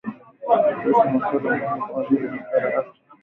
kuhusu masuala muhimu kama vile biashara afya